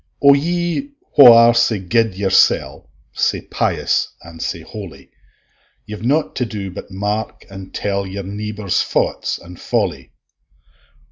O ye wha are sae guid yoursel', Sae pious and sae holy, Ye've nought to do but mark and tell Your neibours' fauts and folly!